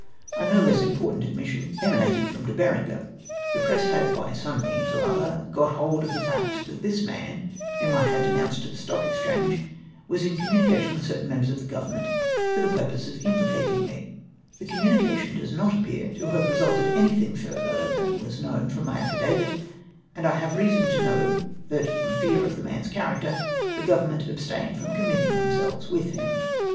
A no less important admission emanated from De Berenger. The press had by some means or other got hold of the fact that this man, whom I had denomiced to the Stock Exchano e, was in aniur/u.nication with certain inemhers of tlie Govermnent far tlie purpose of ii/p/icatiia/ trie! Tlie communication does not appear * See my atHdavit in the Appendix. SIGNIFICANT FACTS. 341 to have resulted in anything further than was known ii'oui my affidavit, and I have reason to know that from fear of the man's character, the Government ab stained from committing themselves with him.